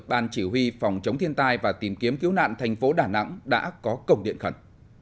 ban chỉ huy phòng chống thiên tai và tìm kiếm cứu nạn thành phố đà nẵng đã có công điện khẩn